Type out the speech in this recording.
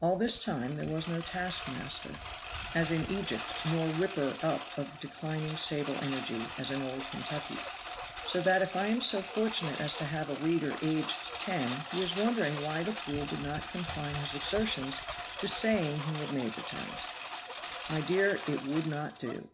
All this time there was no taskmaster, as in Egypt, nor whipper up of declining sable energy, as in Old Kentucky. So that if I am so fortunate as to have a reader aged ten, he is wondering why the fool did not confine his exertions to saying he had made the turns. My dear, it would not do.